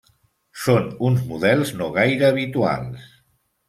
Són uns models no gaire habituals.